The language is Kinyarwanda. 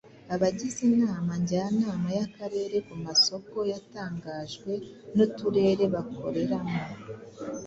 abagize Inama Njyanama y’Akarere ku masoko yatangajwe n’Uturere bakoreramo;